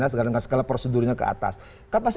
sekala sekala prosedurnya ke atas